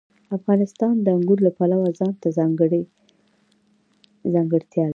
افغانستان د انګورو له پلوه ځانته ځانګړې ځانګړتیا لري.